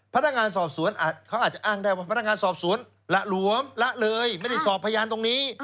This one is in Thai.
พนักงานสอบสวนเขาอาจจะอ้างได้ว่าพนักงานสอบสวนหละหลวมละเลยไม่ได้สอบพยานตรงนี้